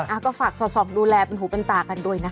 อ่าก็ฝากสอบดูแลผูปันตากันด้วยนะคะ